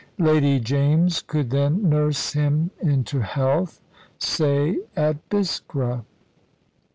Lady James could then nurse him into health, say, at Biskra.